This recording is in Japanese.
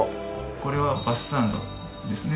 これはバスサンドですね。